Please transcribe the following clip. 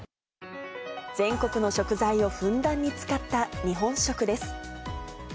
全国の食材をふんだんに使った日本食です。